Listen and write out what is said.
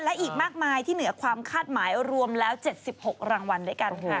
และอีกมากมายที่เหนือความคาดหมายรวมแล้ว๗๖รางวัลด้วยกันค่ะ